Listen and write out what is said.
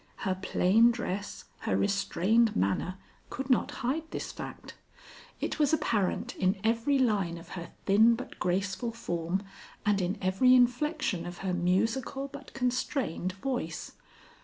Her plain dress, her restrained manner, could not hide this fact. It was apparent in every line of her thin but graceful form and in every inflection of her musical but constrained voice.